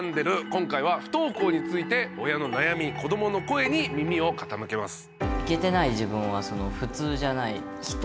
今回は不登校について親の悩み子どもの声に耳を傾けます。